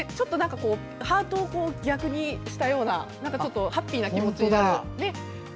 ハートを逆にしたようなハッピーな気持ちに。